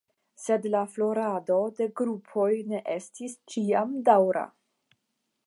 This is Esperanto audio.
Sed la florado de grupoj ne estis ĉiam daŭra.